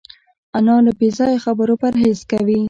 انا له بېځایه خبرو پرهېز کوي